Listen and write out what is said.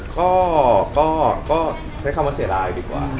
ก็เข้ามาเสียดายดีกว่า